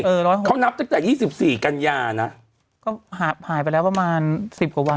เขานับตั้งแต่ยี่สิบสี่กันยานะก็หายไปแล้วประมาณสิบกว่าวัน